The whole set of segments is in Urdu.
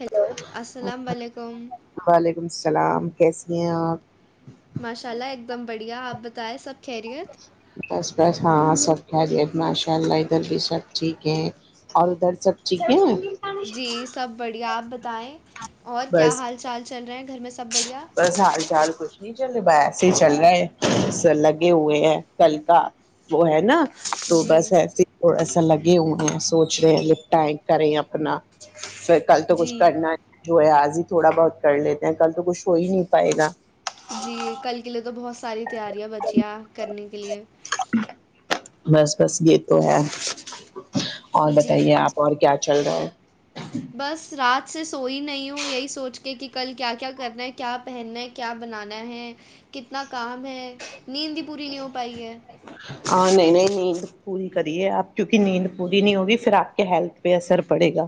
ہیل السلام علیکم وعلیکم السلام [unintelligible] کیسی ہیں آپ [unintelligible] ماشاء اللہ ایک دم بڑھیا آپ بتائیں سب خیریت بس بس ہاں سب [unintelligible] خری ماشاء اللہ ادھر بھی سب ٹھیک ہیں اور ادھر سب ٹھیک ہیں جی سب بڑی [unintelligible] آپ بتائیں [unintelligible] اور کیا بس حال چال چل رہے ہیں گھر میں سب بڑھیا [unintelligible] چلے ب ایسے ہی چل رہا ہے لگے ہوئے ہیں کل کا وہ ہے نا تو جی بس ایسے تھ [unintelligible] لگے ہوئے ہیں سوچ رہے ہیں نپٹائیں کریں اپنا پھر کل تو کچھ جی کرنا ہے آج ہی تھوڑا بہت کر لیتے ہیں کل تو کچھ ہو ہی نہیں پائے گا جی کل کے لیے تو بہت ساری تیاریا بچی گ کرنے کے لیے بس بس یہ تو ہے اور جی بتائیے آپ اور کیا چل رہا ہے بس رات آپ سے سوئی نہیں ہوں یہی سوچ کے کہ کل کیا کیا کرنا ہے کیا پہننا ہے کیا بنانا ہے کتنا کام ہے نیند ہی پوری نہیں ہو پائی ہے ہاں نہیں نہیں نیند پوری کریے آپ کیونکہ نیند پوری نہیں ہوگی پھر آپ کے ہیلتھ پہ اثر پڑے گا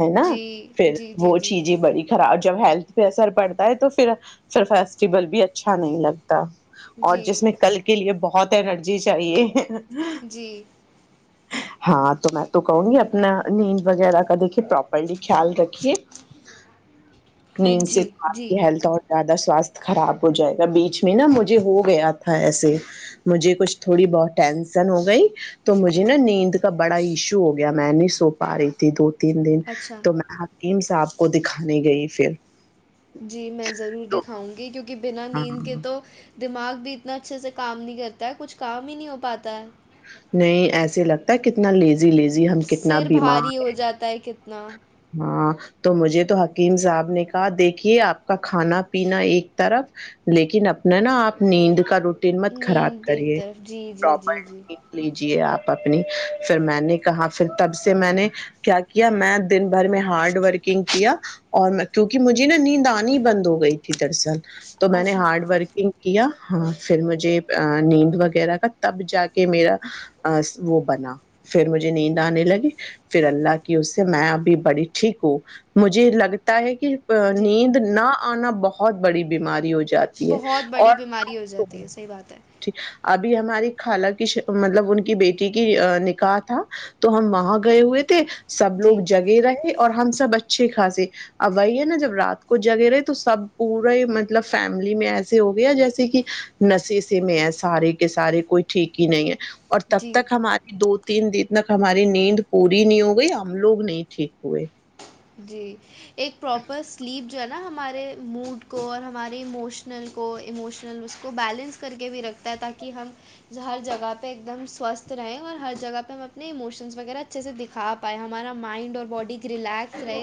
ہے نا جی پھر جی جی وہ جی چیز ہی بڑی خراب جب ہیلتھ پہ اثر پڑتا ہے تو پھر پھر فیسٹیول بھی اچھا نہیں لگتا [unintelligible] اور جی جس میں کل کے لیے بہت [unintelligible] جی چاہیے جی ہاں تو میں تو کہوں گی اپنا نیند وغیرہ کا دیکھیے پراپرلی خیال رکھیے ہاں نیند جی سےپ جی کی ہیلتھ اور زیادہ سواستھ خراب ہو جائے گا بیچ میں نا مجھے ہو گیا تھا ایسے مجھے کچھ تھوڑی بہت ٹینسن ہو گئی تو مجھے نا نیند کا بڑا ایشو ہو گیا میں نہیں سو پا رہی تھی دو تین دن اچھا تو میں حیم صاحب کو دکھانانی گئی پھر جی میں ضرور تو دکھاؤں گی کیونکہ بنا نیند کے ہاں تو دماغ بھی اتنا اچھے سے کام نہیں کرتا ہے کچھ کام ہی نہیں ہو پاتا ہے نہیں ایسے لگتا ہے کتنا لیز سر بھاری ہو جاتا ہے ک نہ [unintelligible] ہاں تو مجھے تو حکیم صاحب نے کہا دیکھیے آپ کا کھانا پینا ایک طرف لیکن اپنا نا آپ نیند کا ر قمت خراب نیند ایک کریے طرف جی جی جی جی پراپر لیجیے آپ اپنی پھر میں نے کہا پھر تب سے میں نے کیا کیا میں دن بھر میں ہارڈ ورکنگ کیا اور کیونکہ مجھے نا نیند آنی بند ہو گئی تھی دراصل تو میں نے اچھا ہارڈ ورکنگ کیا ہاں پھر مجھے نیند وغیرہ کا تب جا کے میرا وہ بنا پھر مجھے نیند آنے لگی پھر اللہ کی اس سے میں اب بڑی ٹھیک ہو مجھے لگتا ہے کہ [unintelligible] ا جی نیند نہ [unintelligible] آنا بہت بڑی بیماری ہو ج [unintelligible] جاتی ہے بہت بڑی اور بیماری ہو جاتی ہے صحیح بات ہے ٹھیک ابھی ہماری [unintelligible] خال کی مطلب ان کی بیٹی کی نکاح تھا تو ہم وہاں گئے ہوئے تھے [unintelligible] سب جی لوگ [unintelligible] اور ہم سب اچھے خاصے اب وہی ہے نا جب رات کو جگے رہے تو سب پورے مطلب فیملی میں ایسے ہو گیا جیسے کہ نشے سے میں ہے سارے کے سارے کوئی ٹھیک ہی نہیں ہے [unintelligible] اور تب جی تک ہماری دو [unintelligible] تین دن تک ہماری نیند پوری نہیں ہو گئی ہم لوگ نہیں [unintelligible] ٹھیک ہوئے [unintelligible] جی ایک پراپر سلیپ جو ہے نا ہمارے موڈ کو اور ہمارے اموشنل کو ایموشنل اس کو بیلنس کر کے بھی رکھتا ہے تاکہ ہم ہر جگہ پہ ایک دم سوستھ رہیں اور ہر جگہ پہ ہم اپنے اموشنس وغیرہ اچھے سے دکھا پائیں ہمارا مائنڈ اور باڈی سر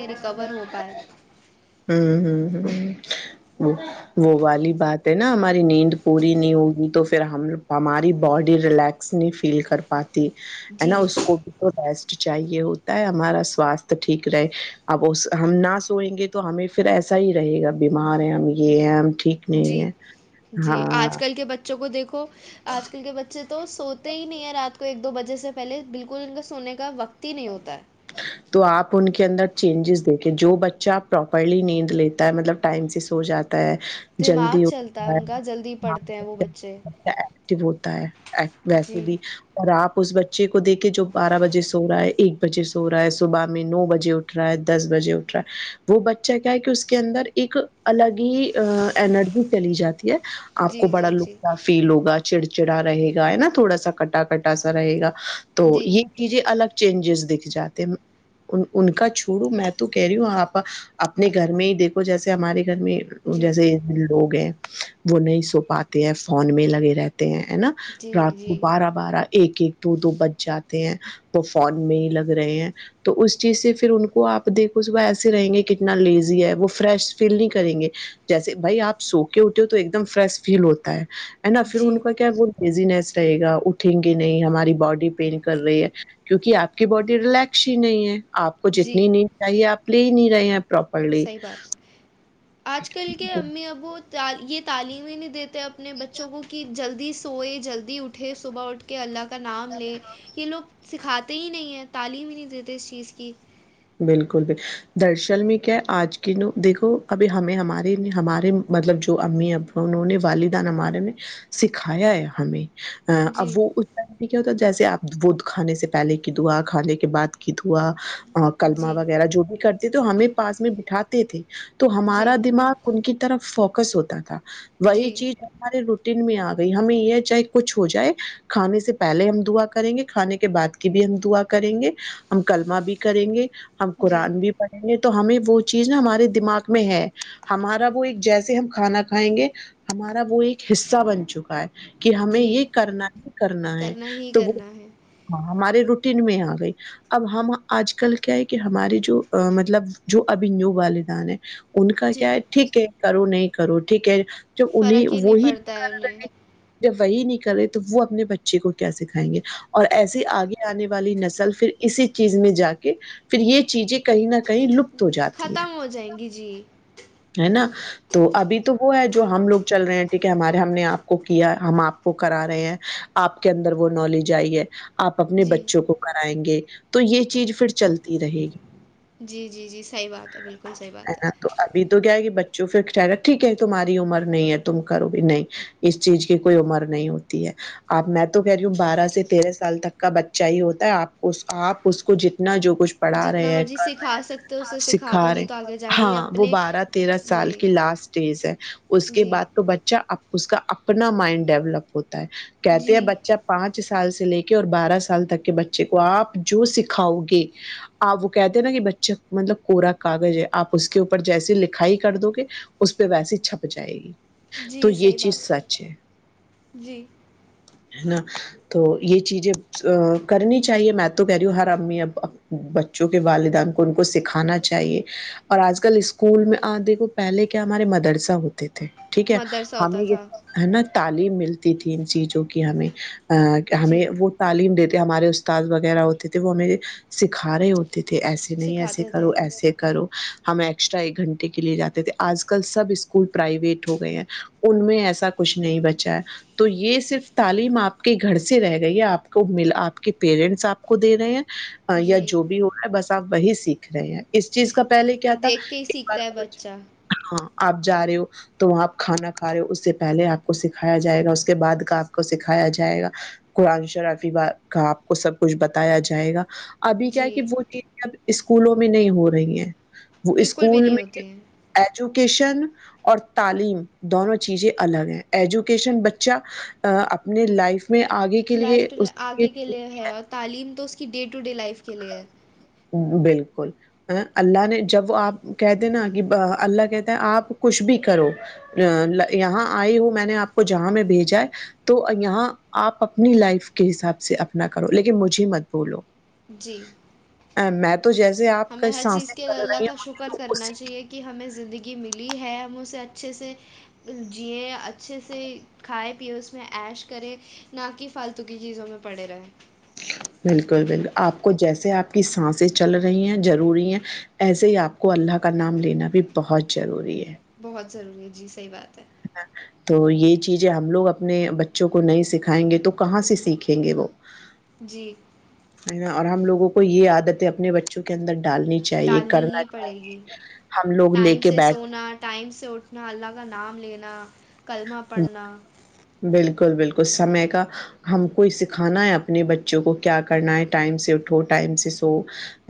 ریکور ہو پائےائے ہوں ہوں [unintelligible] وہ والی بات ہے نا ہماری نیند پوری نہیں ہوگی تو پھر ہم ہماری باڈی ریلیکس نہیں فیل کر پاتے ت ہے نا جی اس کو بھی تو چاہیے ہوتا ہے ہمارا سوستھ ٹھیک رہے اب اس ہم نہ سوئیں گے تو ہمیں پھر ایسا ہی رہے گا بیمار ہے ہم یہ ہیں ہم ٹھیک نہیں جی ہے جی آج ہاں کل کے بچوں کو دیکھ کو آج کل کے بچے تو سوتے ہی نہیں ہے رات کو ایک دو بجے سے پہل بالکل ان کا سونے کا وقت ہی نہیں ہوتا ہے تو آپ ان کے اندر چینجز دیکھے جو بچہ پراپرلی نیند لیتا ہے مطلب ٹائم سے سو جاتا دماغ جلدی ہو چلتا ہے ان کا جلدی پڑھتے ہیں وہ بچے ایکٹو ہوتا ہے ویسے جی بھی اور آپ اس بچے کو دیکھ کے جو بارہ بجے سو رہا ہے ایک بجے سو رہا ہے صبح میں نو بجے اٹھ رہا ہے دس بجے اٹھ رہا ہے وہ بچہ کیا ہے کہ اس کے اندر ایک الگ ہی ارجی چلی جاتی ہے آپ کو جی بڑا جی جی لکفاف فیل ہوگا چڑ چڑا رہے گا ہے نا تھوڑا سا کٹا کٹا سا رہے گا تو جی یہ چیزیں الگ چینجز دکھ جاتے ان کا چھوڑوں میں تو کہہ رہی ہوں آپ اپنے گھر میں ہی دیکھو جیسے ہمارے گھر میں جی جیسے لوگ ہیں وہ نہیں سو پاتے ہیں فون میں لگے رہتے ہیں ہے نا جی رات کو جی بارہ بارہ ایک ایک دو دو بچ جاتے ہیں وہ فون میں ہی لگ رہے ہیں تو اس چیز سے پھر ان کو آپ دیکھو صبح ایسے رہیں گے کتنا لیزی ہے وہ فریش فیل نہیں کریں گے جیسے بھائی آپ سو کے اٹھ ہو تو ایک دم فریش فیل ہوتا ہے ہے نا پھر ان جی کا کیا وہ بیزینیس رہے گا اٹھیں گے نہیں ہماری باڈی پین کر رہی ہے کیوںکہ آپ کی باڈی ریلیکس ہی نہیں ہے آپ کو جتنی جی نیند چاہیے آپ لے ہی نہیں رہے ہیں پراپرلی صحیح بات آج کل کے امی ابو یہ تعلیم ہی نہیں دیتے اپنے بچوں کو کہ جلدی سوئے جلدی اٹھے صبح اٹھ کے اللہ کا نام لے یہ لوگ سکھاتے ہی نہیں ہیں تعلیم ہی نہیں دیتے اس چیز کی بالکل بکل درصل میں کیا آج کی ن دیکھو ابھی ہمیں ہمارے ہمارے مطلب جو امی ابا انہوں نے والدان ہمارے نے سکھایا ہے ہمیں اب جی وہ اس طرح سے کیا ہوتا ہے جیسے آپ وہ کھانے سے پہلے کی دھوا کھانے کے بعد کی دھوا کلما جی وغیرہ جو بھی کرتے تو ہمیں پاس میں بٹھا تھی تو ہمارا جی دماغ ان کی طرف ف کس ہوتا تھا وہی جی چیز ہماری ر میں آ گئی ہمیں یہ چاہے کچھ ہو جائے کھانے سے پہلے ہم دعا کریں گے کھانے کے بعد کی بھی ہم دعا کریں گے ہم کلملما بھی کریں گے ہم جی قرن بھی پڑھیں گے تو ہمیں وہ چیز نا ہمارے دماغ میں ہے ہمارا وہ ایک جیسے ہم کھانا کھائیں گے ہمارا وہ ایک حصہ بن چکا ہے کہ ہمیں جی یہ کرنا کرنا ہے ہی تو وہاں کرنا ہے ہمارے ر تن میں آ گئی اب ہم آج کل کیا ہے کہ ہمارے جو مطلب جو ابنو والدان ہے ان کا جی کیا ہے ٹھیک ہے کرو نہیں کرو ٹھیک ہے جو انہیں فرق وہ ہی نہیں پڑتا ہے کر انہیں رہے وہی نہیں کرے تو وہ اپنے بچے کو کیا سکھائیں گے اور ایسی آگے آنے والی نسل پھر اسی چیز میں جا کے پھر یہ چیزیں کہیں نہ کہیں لپت ہو جاتی ہیں ختم ہو جائیں گی جی ہے نا تو ابھی تو وہ ہے جو ہم لوگ چل رہے ہیں ٹھیک ہے ہمارے ہم نے آپ کو کیا ہم آپ کو کرا رہے ہیں آپ کے اندر وہ نالج آئی ہے آپ اپنے جی بچوں کو کرائیں گے تو یہ چیز پھر چلتی رہے گی جی جی جی صحیح بات ہے بالکل صحیح بات نا ہے تو ابھی تو کیا بچوں پ ک گا ٹھیک ہے تمہاری عمر نہیں ہے تم کرو بھی نہیں اس چیز کی کوئی عمر نہیں ہوتی ہے اب میں تو کہہ رہی ہوں بارہ سے تیرہ سال تک کا بچہ ہی ہوتا ہے آپ کو آپ اس کو جتنا جو کچھ پڑھا جتنا رہے ہیں مرضی کر رہے سکھا ہیں سکتے ہو اسے سکھا دو رہے نہیں تو ہیں، آگے جا کےے یا ہاں وہ بارہ تیرہ سال کی لاسٹ ڈٹیز ہے اس کے جی بعد تو بچہ اب اس کا اپنا مائنڈ ڈیولپ ہوتا کہتے ہیں جی بچہ پانچ سے سال سے لے کے اور بارہ سال تک کے بچے کو آپ جو سکھاؤ گے آپ وہ کہتے ہیں نا کہ بچے مطلب کوورا کاغذ ہے آپ اس کے اوپر جیسی لکھائی کر دو گے اس پہ ویسی چھپ جائے گی تو جی یہ صحیح چیز بات سچ ہے جی ہے نا تو یہ چیزیں کرنی چاہیے میں تو کہہ رہی ہوں ہر امی اب بچوں کے والدین کو ان کو سکھانا چاہیے اور آج کل اسکول میں آ دیکھو پہلے کیا ہمارے مدرسہ ہوتے تھے ٹھیک ہے مدرسہ ہوتا ہمیں یہ تھا ہے نا تعلیم ملتی تھی ان چیزوں کی ہمیں ہمیں جی وہ تعلیم دیتے ہمارے استاد وغیرہ ہوتے تھے وہ ہمیں سکھا رہے ہوتے تھے ایسے نہیں ایسے سکھاتے کرو تھے ایسے کرو ہم ایکسٹرا ایک گھنٹے کے لیے جاتے تھے آج کل سب اسکول پرائیویٹ ہو گئے ہیں ان میں ایسا کچھ نہیں بچا ہے تو یہ صرف تعلیم آپ کے گھر سے رہ گئی ہے آپ کو م آپ کے پیرنٹس آپ کو دے رہے ہیں یا جی جو بھی ہوا بس آپ وہی سیکھ رہے ہیں اس چیز کا پہل کیا تھا دیکھ کے ہی ایکار سیکھتا ہے بچہ ہاں آپ جا رہے ہو تو وہاں آپ کھانا کھا رہے ہو اس سے پہلے آپ کو سکھایا جائے گا اس کے بعد کا آپ کو سکھایا جائے گا قرآن شرفی ب کا آپ کو سب کچھ بتایا جائے گا ابھی کیا جی کہ وہ چیز اسکولوں میں نہیں ہو رہی ہیں وہ بالکل بھی اسکول نہیں میں ہوتی ہیں ایجو کین اور تعلیم دونوں چیزیں الگ ہیں ایجوکیشن بچہ اپنے لائف اس میں آگے کے لیے لائف ٹو اس کے لیےتی کہ ڈے ٹو ڈے لائف کے لیے ہے بالکل اللہ نے جب آپ کہتے نا کہ اللہ کہتا ہے آپ کچھ بھی کرو یہاں آئی ہو میں نے آپ کو جہاں میں بھیجا ہے تو یہاں آپ اپنی لائف کے حساب سے اپنا کرو لیکن مجھے مت بھولو جی ا میں تو جیسے آپ ہمیں کا ہر سانس چیز کے لیے چل اللہ رہی کا شکر ہ کرنا چاہیے کہ ہمیں زندگی ملی ہے ہم اسے اچھا اچھے سے جئیں اچھے سے کھائے پیئے اس میں ایش کرے نہ کہ فالتو کی چیزوں میں پڑے رہیں بالکل بالکل آپ کو جیسے آپ کی سانسیں چل رہی ہیں ضروری ہے ایسے ہی آپ کو اللہ کا نام لینا بھی بہت ضروری ہے بہت ضروری ہے جی صحی بات ہے تو یہ چیزیں ہم لوگ اپنے بچوں کو نہیں سکھائیں گے تو کہاں سے سیکھیں گے وہ جی ہے نا اور ہم لوگوں کو یہ آیاد اپنے بچوں کے اندر ڈالنی چاہیے، ڈالنی کرنا ہی پڑے چاہیے، گی ہم لوگ لے ٹائم کے سے بیٹھ سونا ٹائم سے اٹھنا نا اللہ کا نام لینا کلمہ پڑھنا بالکل بالکل سمے کا ہم کو ہی سکھانا ہے اپنے بچوں کو کیا کرنا ہے ٹائم سے اٹھو ٹائم سے سو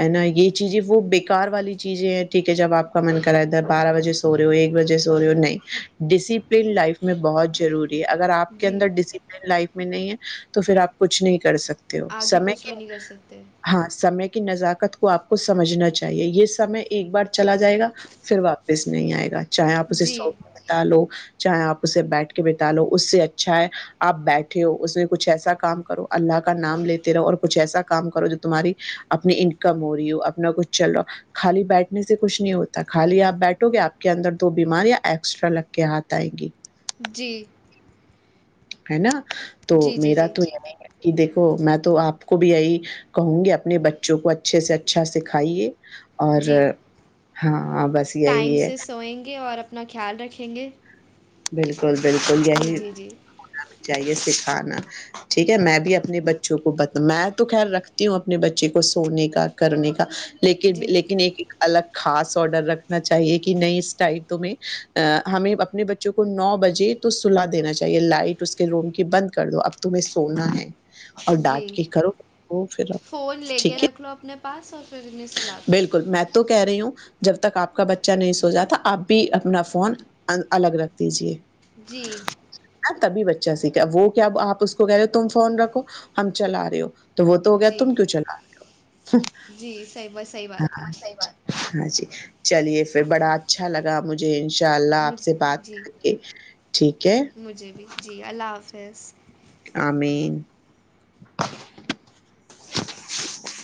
ہے نا یہ چیزیں وہ بیکار والی چیزیں ہیں ٹھیک ہے جب آپ کا من کر رہا ہے ادھر بارہ بجے سو رہے ہو ایک بجے سو رہے ہو نہیں ڈسپلین لائف میں بہت ضروری اگر آپ کے جی اندر ڈسپلین لائف میں نہیں ہے تو پھر آپ کچھ نہیں کر سکتے تے ہو آگے سمے کچھ کی بھی نہیں کر سکتے ہاں سے کی وقت کی نزاکت کو آپ کو سمجھنا چاہیے یہ سمے ایک بار چلا جائے گا پھر واپس نہیں آئے گا چاہے آپ سے جی سوکے بتا لو چاہے آپ اسے بیٹھ کے بتا لو تالو اس سے اچھا ہے آپ بیٹھے ہو اس میں کچھ ایسا کام کرو اللہ کا نام لیتے رہو اور کچھ ایسا کام کرو جو تمہاری اپنی انکم ہو رہی ہو اپنا کچھ چل رہا ہو خالی بیٹھنے سے کچھ نہیں ہوتا خالی آپ بیٹھو گے آپ کے اندر دو بیماریاں ایکسٹرا لگ کے ہاتھ آئیں گی جی ہے نا تو جی جی میرا جی تو یہ نہیں ہے کہ دیکھو میں تو آپ کو بھی یہی کہوں گی اپنے بچوں کو اچھے سے اچھا سکھائیے اور جی ہاں بس یہی ٹائم ہے سے سوئیں گے اور اپنا خیال رکھیں گے بالکل بالکل جی یہی جی جی چاہیے کھانا ٹھیک ہے میں بھی اپنے بچوں کو بتا میں تو خیال رکھتی ہوں اپنے بچے کو سونے کا کرنے کا لیکن جی لیکن ایک الگ خاس آڈر رکھنا چاہیے کہ نہیی اس ٹائم تمے ہمیں اپنے بچوں کو نو بجے تو سلا دینا چاہیے لائٹ اس کے روم کی بند کر دو اب تمہیں سونا ہے اور ڈانٹ جی کے کرو پھر فون آپ لے کے ٹھیک ہے رکھ لو اپنے پاس اور پھر انہیں سلا دو بالکل میں تو کہہ رہی ہوں جب تک آپ کا بچہ نہیں سو جاتا آپ بھی اپنا فون الگ رکھ دیجئے جی اب وہ کیا آپ اس کو کہہ رہے ہو تم فون رکھو ہم چلا رہے ہو تو وہ تو ہو گیا جی تم کیوں چلا رہے ہو بہت صحیح بات ہے ہاں جی چلیے پھر بڑا اچھا لگا مجھے انشاء اللہ آپ مجھ سے بات جی کر کے ٹھیک ہے فظ آمین